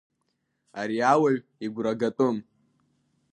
Ари ауаҩ игәра гатәым.